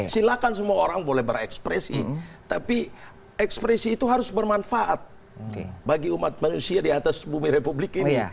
silakan semua orang boleh berekspresi tapi ekspresi itu harus bermanfaat bagi umat manusia di atas bumi republik ini